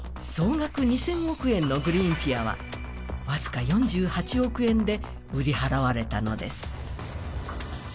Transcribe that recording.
総額２０００億円のグリーンピアは、僅か４８億円で売り払われたのです。